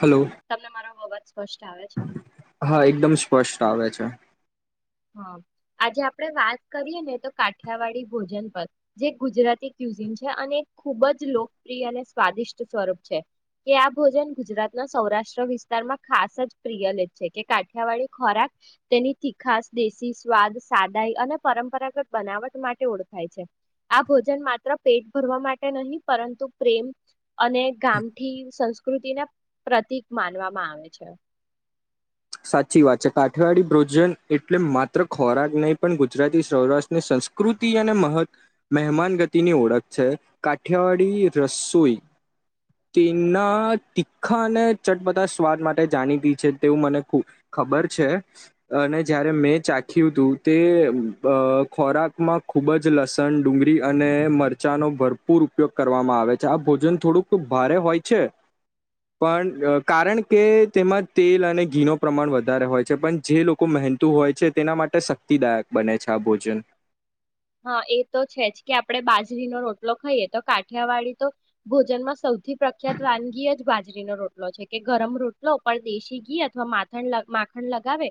Hello તમને મારા અવાજ સ્પષ્ટ આવે છે? હા એકદમ સ્પષ્ટ આવે છે. હા, આજે આપડે વાત કરીએ ને તો કાઠિયાવાડી ભોજન પર જે ગુજરાતી ક્યુઝિન છે અને ખુબજ લોકપ્રિય અને સ્વાદિષ્ટ સ્વરૂપ છે, કે આ ભોજન ગુજરાતના સૌરાષ્ટ્ર વિસ્તારમાં ખાસજ પ્રિયલીત છે, કે કાઠિયાવાડી ખોરાક તેનીથી તીખાસ દેશી સ્વાદ, સાદાઈ અને પરંપરાગત બનાવટ માટે ઓળખાય છે. આ ભોજન માત્ર પેટ ભરવા માટે નહીં, પરંતુ પ્રેમ અને ગામઠી સંસ્કૃતિને પ્રતિક માનવામાં આવે છે. સાચી વાત છે, કાઠિયાડી ભોજન એટલે માત્ર ખોરાક નહીં પણ ગુજરાતી સૌરાષ્ટ્રની સંસ્કૃતિ અને મહત મહેમાન ગતિની ઓળખ છે. કાઠિયાવાડી રસોઈ તેના તીખા અને ચટપતા સ્વાદ માટે જાણીતી છે, તેવું મને ખબર છે અને જયારે મેં ચાખ્યું હતું તે ખોરાકમાં ખુબજ લસણ, ડુંગળી અને મરચાંનો ભરપૂર ઉપયોગ કરવામાં આવે છે. આ ભોજન થોડુંક ભારે હોય છે, પણ કારણકે તેમાં તેલ અને ઘીનો પ્રમાણ વધારે હોય છે, પણ જે લોકો મહેનતું હોય છે તેના માટે શક્તિદાયક બને છે, આ ભોજન. હા, એતો છેજ કે આપડે બાજરીનો રોટલો ખાઈએ તો કાઠિયાવાડી તો ભોજનમાં સૌથી પ્રખ્યાત વાનગી જ બાજરીનો રોટલો છે કે ગરમ રોટલો ઉપર દેશી ઘી અથવા માથ માખણ લગાવે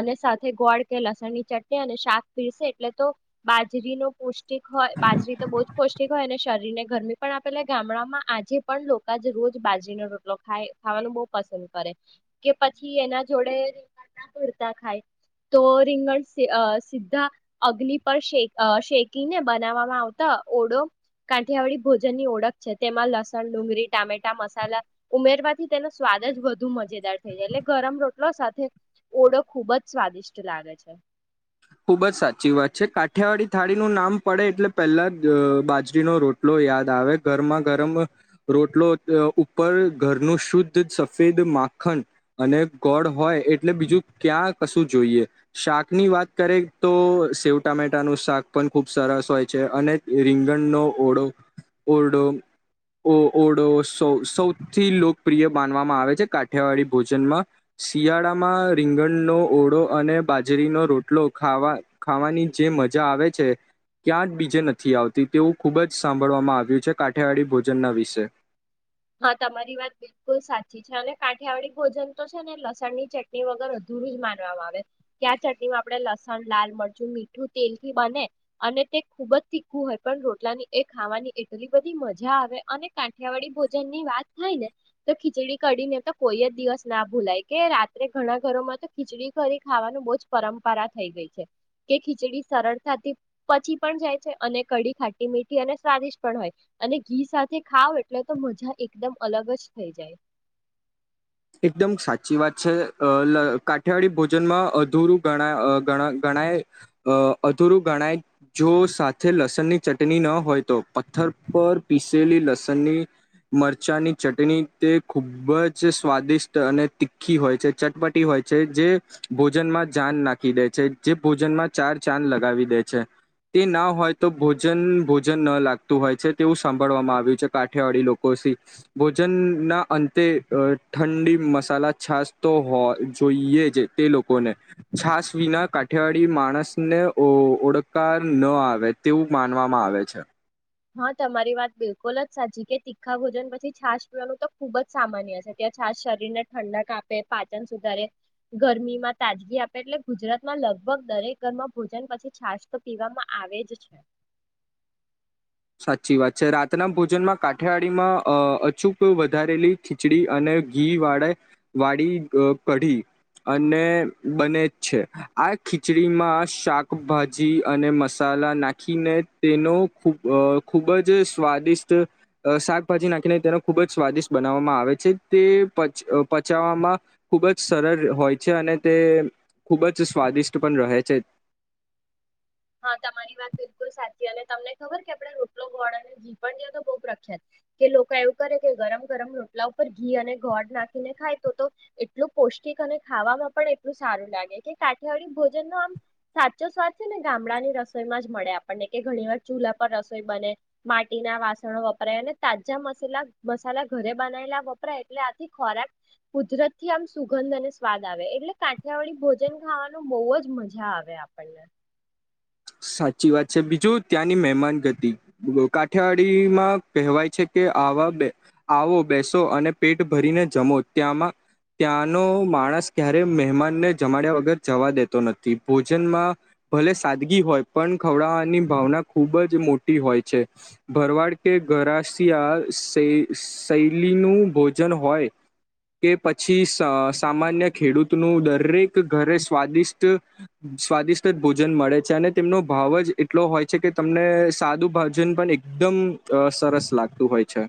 અને સાથે ગોળ કે લસણની ચટણી અને શાક પીરસે એટલે તો બાજરીનું પૌષ્ટિક હોય બાજરી તો બહુ જ પૌષ્ટિક હોય અને શરીર ને ગરમી પણ આપેલા ગામડામાં આજે પણ લોકો જ રોજ બાજરીનો રોટલો ખાય, ખાવાનું બહ પસંદ કરે, કે પછી એના જોડે રીંગણ ના ભરતા ખાય તો રીંગણ સીધા અગ્નિ પર શે શેકીને બનાવવામાં આવતા ઓડો કાંઠિયાવાળી ભોજન ની ઓળખ છે. તેમાં લસણ, ડુંગળી, ટામેટા, મસાલા ઉમેરવાથી તેનો સ્વાદ જ વધુ મજેદાર થઈ જાય, એટલે ગરમ રોટલો સાથે ઓડો ખુબજ સ્વાદિષ્ટ લાગે છે. ખુબજ સાચી વાત છે. કાઠિયાવાડી થાળીનું નામ પડે એટલે પહેલા બાજરીનો રોટલો યાદ આવે, ગરમાં ગરમ રોટલો ઉપર ઘરનું શુદ્ધ સફેદ માખણ અને ગોળ હોય એટલે બીજું ક્યાં કશું જોઈએ, શાકની વાત કરે તો સેવ ટામેટાનું શાક પણ ખૂબ સરસ હોય છે અને રીંગણનો ઓડો ઓરડો ઓ ઓડો સ સૌથી લોકપ્રિય માનવામાં આવે છે કાઠિયાવાડી ભોજનમાં, શિયાળામાં રીંગણનો ઓળો અને બાજરીનો રોટ લો ખાવા ખાવાની જે મજા આવે છે ક્યાં જ બીજે નથી આવતી તેવું ખુબજ સાંભળવામાં આવ્યું છે, કાઠિયાવાડી ભોજનના વિશે. હા, તમારી વાત બિલકુલ સાચી છે અને કાંઠિયાવાડી ભોજન તો છે ને લસણ ની ચટણી વગર અધુરુંજ માનવામાં આવે, કે્યા ચટણીમાં આપણે લસણ, લાલ મરચું, મીઠું, તેલ થી બને અને તે ખુબજ તીખું હોય, પણ રોટલાની એ ખાવાની એટલી બધી મજા આવે અને કાંઠિયાવાડી ભોજન જેમની વાત થાય ને તો ખીચડી કડીને તો કોઈ જ દિવસ ના ભૂલાય કે રાત્રે ઘણા ઘરોમાં તો ખીચડી કડી ખાવાનું બહુ જ પરંપરા થઈ ગઈ છે કે ખીચડી સરળતાથી પચી પણ જાય છે અને કડી ખાટી મીઠી અને સ્વાદિષ્ટ પણ હોય અને ઘી સાથે ખાવ એટલે તો મજા એકદમ અલગ જ થઈ જાય. એકદમ સાચી વાત છે અ ન કાઠિયાવાડી ભોજનમાં અધૂરું ગણા અ ગણા ગણાય અ અધૂરું ગણાય. જો સાથે લસણની ચટણી ન હોય તો પથ્થર પર પીસેલી લસણની મરચાંની ચટણી તે ખૂબ જ સ્વાદિષ્ટ અને તીખી હોય છે, ચટપટી હોય છે જે ભોજનમાં જાન નાખી દે છે, જે ભોજનમાં ચાર ચંદ લગાવી દે છે. તે ના હોય તો ભોજન ભોજન ન લાગતું હોય છે તેવું સાંભળવામાં આવ્યું છે. કાઠિયાવાડી લોકો સ ભોજનના અંતે અ ઠંડી મસાલા છાસ તો હો જોઈએ જ તે લોકોને છાસ વિના કાઠિયાિયાડી માણસને ઓ ઓળકાર ન આવે તેવું માનવામાં આવે છે. હા તમારી વાત બિલકુલ જ સાચી કે તીખા ભોજન પછી છાશ પીવાનું તો ખૂબ જ સામાન્ય છે. ત્યાં છાસ શરીરને ઠંડક આપે, પાચન સુધારે, ગરમીમાં તાજગી આપે એટલે ગુજરાતમાં લગભગ દરેક ઘરમાં ભોજન પછી છાશ તો પીવામાં આવે જ છે. સાચી વાત છે રાતના ભોજનમાં કાઠિયાડીમાં અ અચૂક વધારેલી ખીચડી અને ઘી વાળા વાળી કઢી અને બને જ છે. આ ખીચડીમાં શાકભાજી અને મસાલા નાખીને તેનો ખૂબ અ ખૂબ જ સ્વાદિષ્ટ અ શાકભાજી નાખીને તેને ખૂબ જ સ્વાદિષ્ટ બનાવવામાં આવે છે. તે પચ પચાવવામાં ખૂબ જ સરળ હોય છે અને તે ખૂબ જ સ્વાદિષ્ટ પણ રહે છે. હા તમારી વાત બિલકુલ સાચી અને તમને ખબર કે આપણે રોટલો ગોળ અને ઘી પણ ત્યા તો બવ પ્રખ્યાત કે લોકો એવું કરે કે ગરમ ગરમ રોટલા ઉપર ઘી અને ગોળ નાખીને ખાય તો તો એટલું પૌષ્ટિક અને ખાવામાં પણ એટલું સારું લાગે કે કાઠિયાવાડી ભોજન નો આમ સાચો સ્વાદ છે ને ગામડાની રસોઈમાં જ મળે આપણને કે ઘણી વાર ચૂલા પર રસોઈ બને, માટીના વાસણો વપરાય અને તાજા મસાલા મસાલા ઘરે બનાયલા વપરાય એટલે આથી ખોરાક કુદરત થી આમ સુગંધ અને સ્વાદ આવે એટલે કાંઠિયાવાળી ભોજન ખાવાનું બહુ જ મજા આવે આપણને. સાચી વાત છે. બીજું ત્યાંની મહેમાન ગતિ કાઠિયાવાડીમાં કહેવાય છે કે આવા આવો બેસો અને પેટ ભરીને જમો ત્યાંમાં ત્યાંનો માણસ ક્યારે મહેમાનને જમાડ્યા વગર જવા દેતો નથી. ભોજનમાં ભલે સાદગી હોય પણ ખવડાવાની ભાવના ખૂબ જ મોટી હોય છે. ભરવાડ કે ઘરાશિયા શય શૈલીનું ભોજન હોય કે પછી સ સામાન્ય ખેડૂતનું દરેક ઘરે સ્વાદિષ્ટ સ્વાદિષ્ટ જ ભોજન મળે છે અને તેમનો ભાવ જ એટલો હોય છે કે તમને સાદું ભાજન પણ એકદમ સરસ લાગતું હોય છે.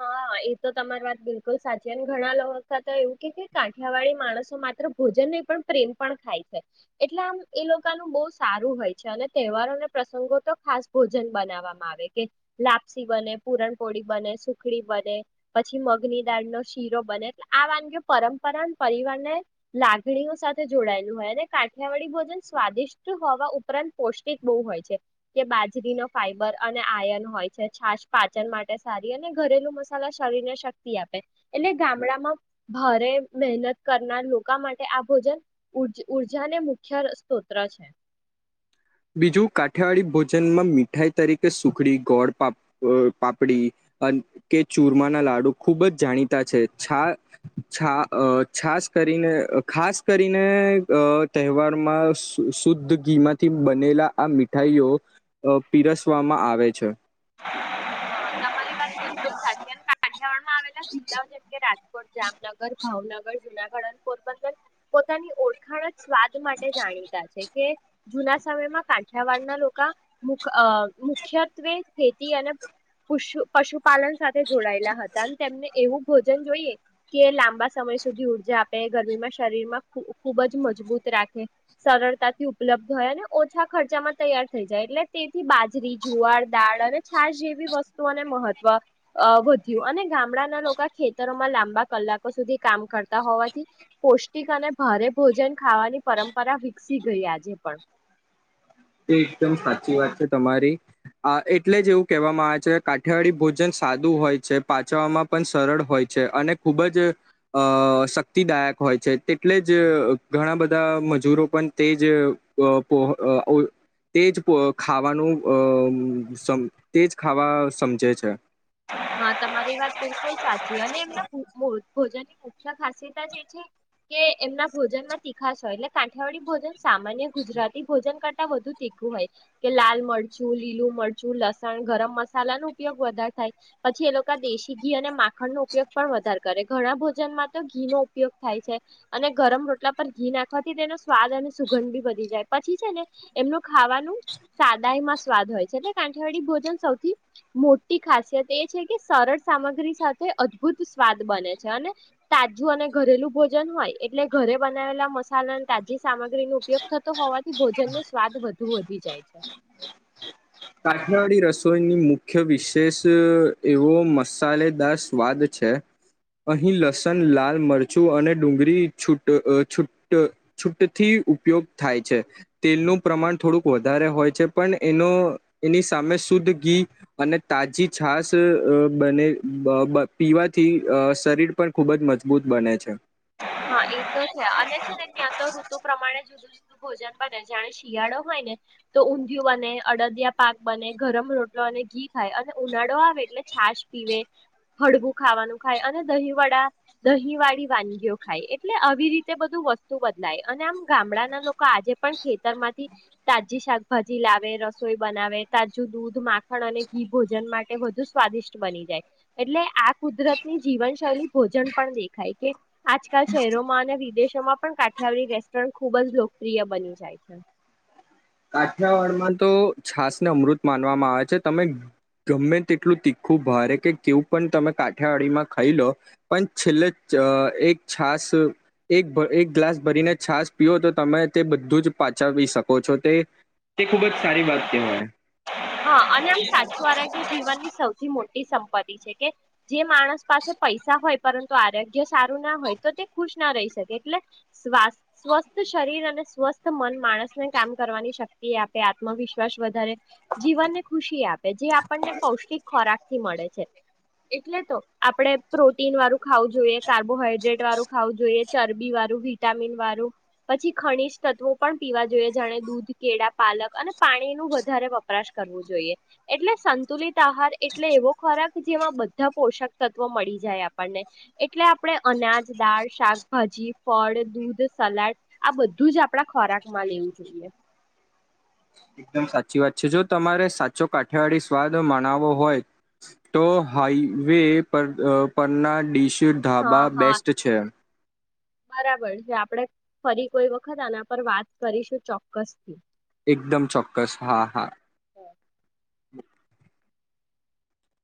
હા એ તો તમારી વાત બિલકુલ સાચી ને ઘણા લોકો તો એવું કે છે કાંઠિયાવાળી માણસો માત્ર ભોજન નહી પણ પ્રેમ પણ ખાય છે. એટલે આમ એ લોકોનું બવ સારું હોય છે અને તહેવારો અને પ્રસંગો તો ખાસ ભોજન બનાવવામાં આવે કે લાપસી બને, પુરણપોળી બને બને, પછી મગની દાળ ન શીરો બને એટલે આ વાનગી પરંપરા પરિવારને લાગણીઓ સાથે જોડાયેલું હોય અને કાઠિયાવાડી ભોજન સ્વાદિષ્ટ હોવા ઉપરાંત પોૌષ્ટિક બહુ હોય છે કે બાજરીનો ફાઈબર અને આયન હોય છે છાસ પાચન માટે સારી અને ઘરેલું મસાલા શરીર ને શક્તિ આપે એટલે ગામડામાં ભારે મહેનત કરનાર લોકો માટે આ ભોજન ઉ ઉર્જાને મુખ્ય સ્તોત્ર છે. બીજું કાઠિયાવાડી ભોજનમાં મીઠાઈ તરીકે સુખડી ગોળ પા અ પાપડી કે ચૂરમાના લાડુ ખુબ જ જાણીતા છે. છા છા અ છાસ કરીને ખાસ કરીને અ તહેવારમાં શુદ્ધ ઘીમાંથી થી બનેલા આ મીઠાઈઓ અ પીરસવામાં આવે છે. હા તમારી વાત બિલકુલ સાચી અને કાઠિયાવાડમાં આવેલા જિલ્લાઓ જેમ કે રાજ કોટ, જામનગર, ભાવનગર, જુનાગઢ અને પોરબંદર પોતાની ઓળખાણ સ્વાદ માટે જાણીતા છે કે જૂના સમયમાં કાંઠિયાવાડના લોકા મુ અ મુખ્યત્વે ખેતી અને પશુ પશુપાલન સાથે જોડાયેલા હતા અને તેમને એવું ભોજન જોઈએ કે લાંબા સમય સુધી ઊર્જા આપે ગરમીમાં શરીર માં ખૂ ખૂબ જ મજબૂત રાખે સરળતાથી ઉપલબ્ધ હોય અને ઓછા ખર્ચામાં તૈયાર થઈ જાય એટલે તેથી બાજરી, જુવાર, દાળ અને છાાસ જેવી વસ્તુને મહત્વ વધ્યું અને ગામડાના લોકો ખેતરોમાં લાંબા કલાકો સુધી કામ કરતા હોવાથી પૌષ્ટિક અને ભારે ભોજન ખાવાની પરંપરા વિકસી ગઈ આજે પણ. તે એકદમ સાચી વાત છે તમારી આ. એટલેજ એવું કહેવામાં આવે છે, કાઠિયાવાડી ભોજન સાદું હોય છે પાચવામાં પણ સરળ હોય છે અને ખૂબ જ અહ શક્તિદાયક હોય છે, તેટલેજ ઘણા બધા મજૂરો પણ તે જ પો તેજ ખાવાનું અહ તેજ ખાવા સમજે છે. હા, તમારી વાત બિલકુલ સાચી અને એમના મૂ ભોજનની મુખ્ય ખાસિયત એ છે કે એમના ભોજનમાં તીખાશ હોય એટલે કાંઠિયાવાડી ભોજન સામાન્ય ગુજરાતી ભોજન કરતા વધુ તીખું હોય કે લાલ મરચું, લીલું મરચું, લસણ, ગરમ મસાલા ન ઉપયોગ વધારે થાય પછી એ લોકો દેશી ઘી અને માખણનો ઉપયોગ પણ વધારે કરે. ઘણા ભોજનમાં તો ઘીનો ઉપયોગ થાય છે અને ગરમ રોટલા પર ઘી નાખવાથી તેનો સ્વાદ અને સુગંધ બી વધી જાય, પછી છે ને એમનું ખાવાનું સાદાયમાં સ્વાદ હોય છે એટલે કાંઠિયાવાડી ભોજન સૌથી મોટી ખાસિયત એ છે કે સરળ સામગ્રી સાથે અદભુત સ્વાદ બને છે અને તાજું અને ઘરેલું ભોજન હોય એટલે ઘરે બનાવેલા મસાલા અને તાજી સામગ્રીનો ઉપયોગ થતો હોવાથી ભોજનને સ્વાદ વધુ વધી જાય છે. કાઠનાળી રસોઈની મુખ્ય વિશેષ એવો મસાલેદાર સ્વાદ છે, અહીં લસણ, લાલ મરચું અને ડુંગળી છૂટ છૂટ છૂટથી ઉપયોગ થાય છે. તેલનું પ્રમાણ થોડુંક વધારે હોય છે પણ એનો એની સામે શુદ્ધ ઘી અને તાજી છાસ બને બ પીવાથી અહ શરીર પણ ખૂબજ મજબૂત બને છે. હા, એતો છે અને છે ને ત્યાં તો ઋતુ પ્રમાણે જુદું જુ ભોજન બને. જાણે શિયાળો હોય ને તો ઊંધિયું બને, અડદિયા પાક બને, ગરમ રોટલો અને ઘી ખાય અને ઉનાળો આવે એટલે છાશ પીવે, ફળગું ખાવાનું ખાય અને દહીં વળ દહીંવાળી વાનગીઓ ખાય એટલે આવી રીતે બધું વસ્તુ બદલાય અને આમ ગામડાના લોકો આજે પણ ખેતર માંથી તાજી શાકભાજી લાવે, રસોઈ બનાવે, તાજું દૂધ માખણ અને ઘી ભોજન માટે વધુ સ્વાદિષ્ટ બની જાય એટલે આ કુદરતની જીવનશૈલી ભોજન પણ દેખાય કે આજકાલ શહેરોમાં અને વિદેશ માં પણ કાઠિયાડી રેસ્ટોરન્ટ ખુબજ લોકપ્રિય બની જાય છે. કાઠિયાવાડમાં તો છાસને અમૃત માનવામાં આવે છે. તમે ગમે તેટલું તીખું ભારે કે કેવું પણ તમે કાઠિયાવાડીમાં ખાઈ લો પણ છેલ્લે એક છાસ એક એક ગ્લાસ ભરીને છાસ પીઓ તો તમે તે બધું જ પાચાવી શકો છો. તે, તે ખુબજ સારી વાત કેહવાય. હા અને આમ સાચું આરોગ્ય જીવનની સૌથી મોટી સંપત્તિ છે કે જે માણસ પાસે પૈસા હોય પરંતુ આરોગ્ય સારું ના હોય તો તે ખુશ ના રહી શકે એટલે સ્ સ્વસ્થ શરીર અને સ્વસ્થ મન માણસને કામ કરવાની શક્તિ આપે, આત્મવિશ્વાસ વધારે જીવન ને ખુશી આપે જે આપણને પૌષ્ટિક ખોરાક થી મળે છે, એટલે તો આપડે પ્રોટીન વાળું ખાવું જોઈએ, કાર્બોહાઈડ્રેટ વાળું ખાવું જોઈએ, ચરબી વાળું, વિટામીન વાળું, પછી ખનીજ તત્વો પણ પીવા જોઈએ, જાણે દૂધ કેળા પાલક અને પાણી નું વધારે વપ વપરાશ કરવું જોઈએ, એટલે સંતુલિત આહાર એટલે એવો ખોરાક જેમાં બધા પોષક તત્વો મળી જાય આપણને એટલે આપણે અનાજ, દાળ શાકભાજી, ફળ, દૂધ, સલાડ આ બધુંજ આપડા ખોરાકમાં લેવું જોઈએ. એકદમ સાચી વાત છે, જો તમારે સાચો કાઠિયાવાળડી સ્વાદ મનાવો હોય, તો હાઈવે પર પરના ડીશ ચીર ધાબા હા હા બેસ્ટ છે. જે આપડે ફરી કોઈ વખત આના પર વાત કરીશું ચોક્કસથી. એકદમ ચોક્કસ હા, હા.